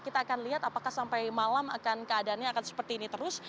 kita akan lihat apakah sampai malam keadaannya akan seperti ini terus